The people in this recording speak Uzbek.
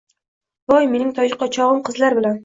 Voy, mening toychog‘im qizlar bilan.